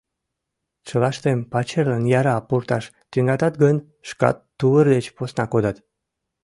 Чылаштым пачерлан яра пурташ тӱҥатат гын, шкат тувыр деч посна кодат.